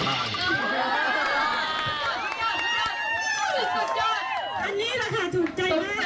อันนี้ละค่ะถูกใจมาก